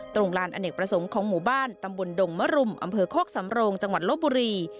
ตรงลานอเนกประสงค์ของหมู่บ้านตำบลดงมรุมอำเภอโคกสำโรงจังหวัดลบบุรี